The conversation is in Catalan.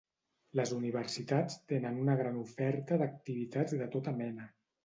Les universitats tenen una gran oferta d'activitats de tota mena.